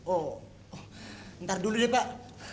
oh nanti dulu ya pak